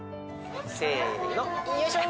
「せーのよいしょ！」